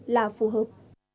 là phù hợp